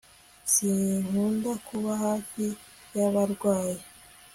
sinkunda kuba hafi yabarwayi